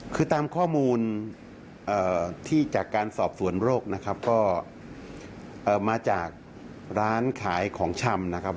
คือตามข้อมูลที่จากการสอบสวนโรคนะครับก็มาจากร้านขายของชำนะครับ